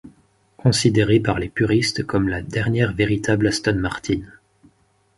Considérée par les puristes comme la dernière véritable Aston Martin.